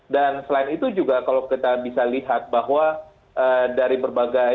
dan selain itu juga kalau kita bisa lihat bahwa dari berbagai